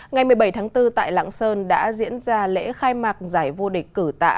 ngày một mươi bảy tháng bốn tại lạng sơn đã diễn ra lễ khai mạc giải vô địch cử tạ